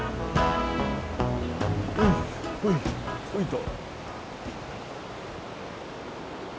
ほいほいほいと。